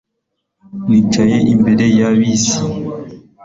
Nicaye imbere ya bisi